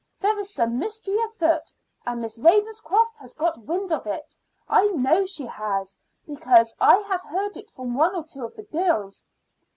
There is some mystery afoot, and Miss Ravenscroft has got wind of it. I know she has, because I have heard it from one or two of the girls."